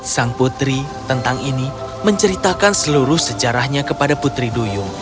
sang putri tentang ini menceritakan seluruh sejarahnya kepada putri duyung